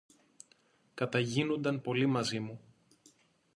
Καταγίνουνταν πολύ μαζί μου